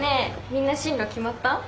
みんな進路決まった？